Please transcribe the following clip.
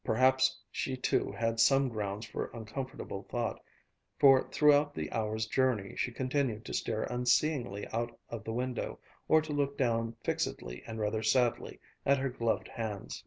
Perhaps she too had some grounds for uncomfortable thought, for throughout the hour's journey she continued to stare unseeingly out of the window, or to look down fixedly and rather sadly at her gloved hands.